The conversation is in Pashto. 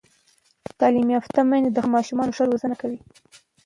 تعلیم یافته میندې د خپلو ماشومانو ښه روزنه کوي.